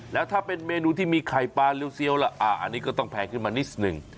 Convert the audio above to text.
แล้วถ้าเป็นเมนูที่มีไข่ปลาริ้วเซียวล่ะอันนี้ก็ต้องแพงขึ้นมานิดหนึ่ง